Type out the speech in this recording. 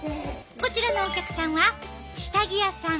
こちらのお客さんは下着屋さん。